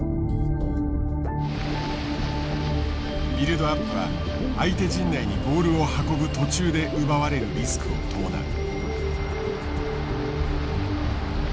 ビルドアップは相手陣内にボールを運ぶ途中で奪われるリスクを伴う。